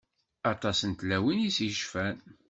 Aṭas n tlawin i s-yecfan.